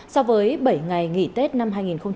so với bảy ngày nghỉ tết năm hai nghìn hai mươi hai